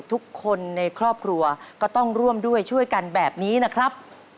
ทุกคนในครอบครัวก็ต้องร่วมด้วยช่วยกันแบบนี้นะครับ